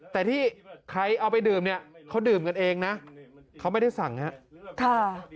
แต่ที่ใครเอาไปดื่มเนี่ยเขาดื่มกันเองนะเขาไม่ได้สั่งครับ